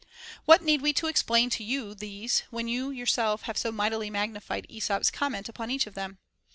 What need we to explain to you these, when you yourself have so mightily magnified Ε sop's comment upon each of them.